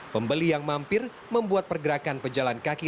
pembeli yang mampir membuat pergerakan ke jalan slipi